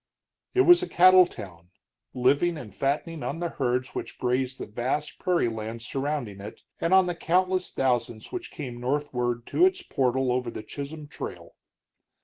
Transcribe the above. It was a cattle town, living and fattening on the herds which grazed the vast prairie lands surrounding it, and on the countless thousands which came northward to its portal over the Chisholm Trail.